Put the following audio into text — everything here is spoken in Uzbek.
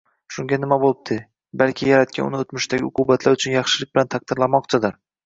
Shunga nima bo`libdi, balki Yaratgan uni o`tmishdagi uqubatlari uchun yaxshilik bilan taqdirlamoqchidir